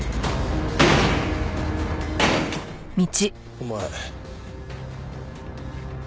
お前。